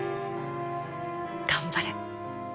頑張れ。